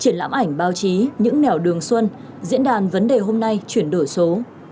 triển lãm ảnh báo chí những nẻo đường xuân diễn đàn vấn đề hôm nay chuyển đổi số